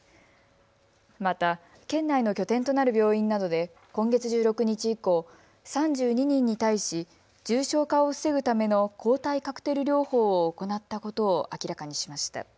また、県内の拠点となる病院などで今月１６日以降、３２人に対し重症化を防ぐための抗体カクテル療法を行ったことを明らかにしました。